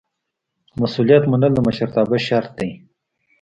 مسؤلیت منل د مشرتابه شرط دی.